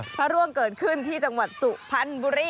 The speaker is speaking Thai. พระร่วงเกิดขึ้นที่จังหวัดสุพรรณบุรี